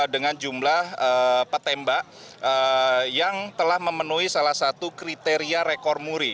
dengan jumlah petembak yang telah memenuhi salah satu kriteria rekor muri